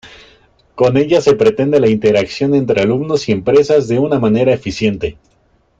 Con ella se pretende la interacción entre alumnos y empresas de una manera eficiente.